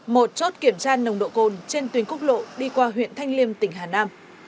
một chốt kiểm tra nông độ cồn trên tuyến cúc lộ đi qua huyện thanh liêm tỉnh hà nam